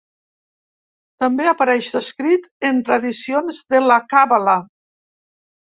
També apareix descrit en tradicions de la càbala.